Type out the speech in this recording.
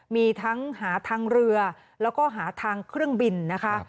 มีทั้งหาทางเรือแล้วก็หาทางเครื่องบินนะคะ